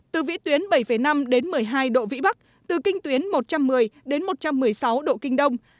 từ vĩ tuyến bảy năm đến một mươi hai độ vĩ bắc từ kinh tuyến một trăm một mươi đến một trăm một mươi sáu độ kinh đông